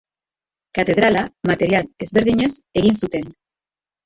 Katedrala material ezberdinez egin zuten.